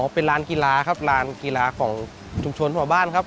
เป็นร้านกีฬาครับลานกีฬาของชุมชนพ่อบ้านครับ